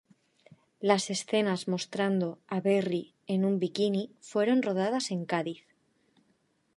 Las escenas mostrando a Berry en un bikini fueron rodadas en Cádiz.